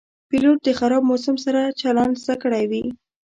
پیلوټ د خراب موسم سره چلند زده کړی وي.